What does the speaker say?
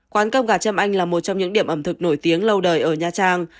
quán cơm gà châm anh là một trong những điểm ẩm thực nổi tiếng lâu đời ở nha trang